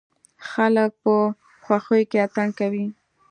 خلک په خوښيو کې اتڼ کوي.